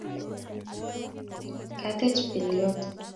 katyech pelyot